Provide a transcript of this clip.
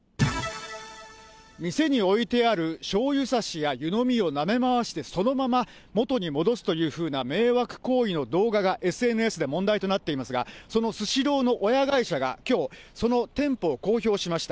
店に置いてあるしゅうゆさしや湯飲みをなめ回して、そのまま元に戻すというふうな、迷惑行為の動画がＳＮＳで問題となっていますが、そのスシローの親会社が、きょう、その店舗を公表しました。